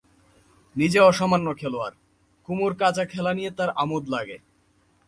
নিজে অসামান্য খেলোয়াড়, কুমুর কাঁচা খেলা নিয়ে তার আমোদ লাগে।